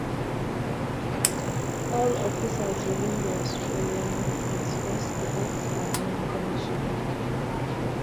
All officers within the Australian Defence Force Cadets are non-commissioned.